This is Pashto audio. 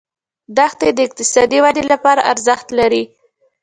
دښتې د اقتصادي ودې لپاره ارزښت لري.